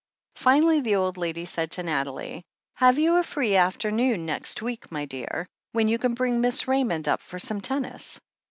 Finally the old lady said to Nathalie : "Have you a free afternoon next week, my dear, when you can bring Miss Raymond up for some tennis